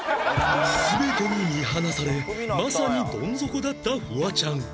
全てに見放されまさにどん底だったフワちゃん